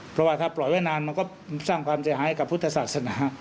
เพราะว่าถ้าปล่อยไว้นานมันก็สร้างความเสียหายกับพุทธศาสนา